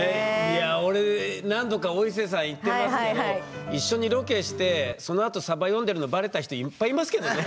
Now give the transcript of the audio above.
俺何度かお伊勢さん行ってますけど一緒にロケしてそのあとさば読んでるのバレた人いっぱいいますけどね。